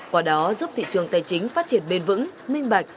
quả đó giúp thị trường tài chính phát triển bền vững minh bạch